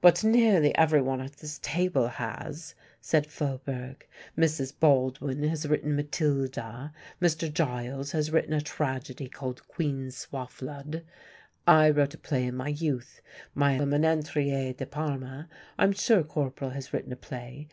"But nearly everyone at this table has," said Faubourg. "Mrs. Baldwin has written 'Matilda,' Mr. Giles has written a tragedy called 'Queen Swaflod,' I wrote a play in my youth, my 'Le Menetrier de Parme'; I'm sure Corporal has written a play.